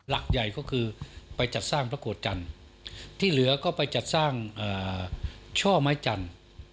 หลักใหญ่ก็คือไปจัดสร้างพระโกรธจันทร์ที่เหลือก็ไปจัดสร้างช่อไม้จันทร์